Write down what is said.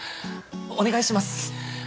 お願いします